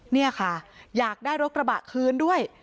นี่ค่ะอยากได้รถกระบะคืนด้วย